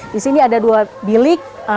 di sini ada dua bilik